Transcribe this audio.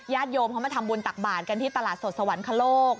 โยมเขามาทำบุญตักบาทกันที่ตลาดสดสวรรคโลก